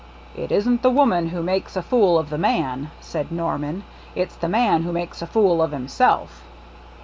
" 'It isn't the woman who makes a fool of the man,' said Norman, 'it's the man who makes a fool of himself